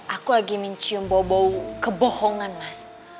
aku lagi mencium bau bau kebohongan mas